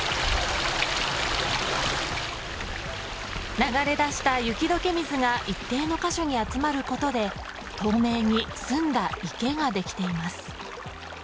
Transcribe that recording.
流れ出した雪解け水が一定のカ所に集まることで透明にすんだ池ができています。